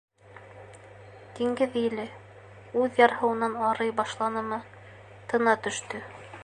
Диңгеҙ еле, үҙ ярһыуынан арый башланымы, тына төштө.